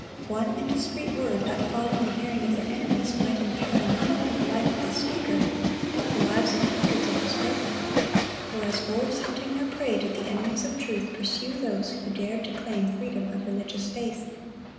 One indiscreet word let fall in the hearing of their enemies, might imperil not only the life of the speaker, but the lives of hundreds of his brethren; for as wolves hunting their prey did the enemies of truth pursue those who dared to claim freedom of religious faith.